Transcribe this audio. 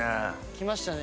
きましたね